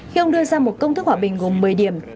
khi ông đưa ra một công thức hòa bình gồm một mươi điểm